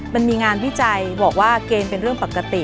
มันมีงานวิจัยบอกว่าเกณฑ์เป็นเรื่องปกติ